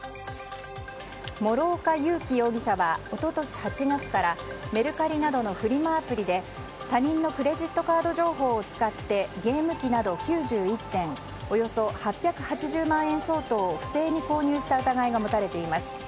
諸岡佑樹容疑者は一昨年８月からメルカリなどのフリマアプリで他人のクレジットカード情報を使ってゲーム機など９１点およそ８８０万円相当を不正に購入した疑いが持たれています。